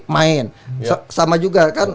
main sama juga kan